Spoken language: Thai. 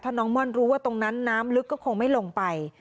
ถ้าน้องม่อนรู้ว่าตรงนั้นน้ำลึกก็คงไม่ลงไป